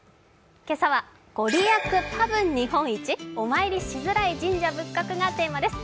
今朝は、「ご利益たぶん日本一？お参りしづらい神社仏閣」がテーマです。